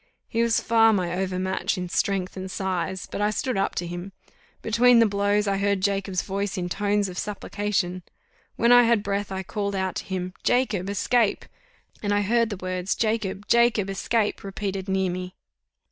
He was far my overmatch in strength and size; but I stood up to him. Between the blows, I heard Jacob's voice in tones of supplication. When I had breath I called out to him, "Jacob! Escape!" And I heard the words, "Jacob! Jacob! Escape!" repeated near me.